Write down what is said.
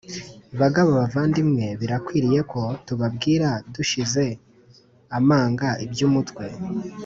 Bagabo bavandimwe birakwiriye ko tubabwira dushize amanga iby umutware